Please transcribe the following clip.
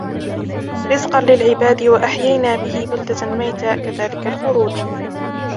رزقا للعباد وأحيينا به بلدة ميتا كذلك الخروج